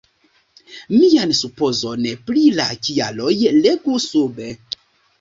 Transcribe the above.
Mian supozon pri la kialoj legu sube.